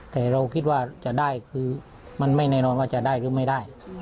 แต่เราคิดว่าจะได้คือมันไม่แน่นอนว่าจะได้หรือไม่ได้